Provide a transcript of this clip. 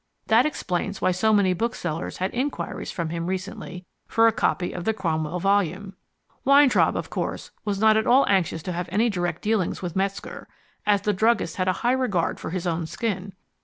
That explains why so many booksellers had inquiries from him recently for a copy of the Cromwell volume. "Weintraub, of course, was not at all anxious to have any direct dealings with Metzger, as the druggist had a high regard for his own skin.